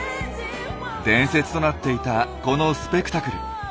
伝説となっていたこのスペクタクル。